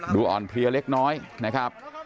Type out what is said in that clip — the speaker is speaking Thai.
ดูอ่อนเพลียเล็กน้อยนะครับ